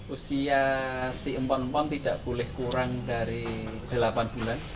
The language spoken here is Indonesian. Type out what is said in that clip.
usia si empon empon tidak boleh kurang dari delapan bulan